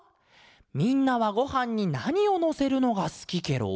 みんなはごはんになにをのせるのがすきケロ？